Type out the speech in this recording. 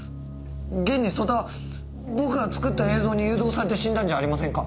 現に曽田は僕が作った映像に誘導されて死んだんじゃありませんか。